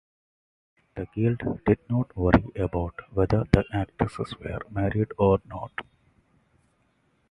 The guild did not worry about whether the actresses were married or not.